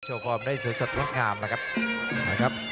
โชครอบได้สวยสดพักงามนะครับ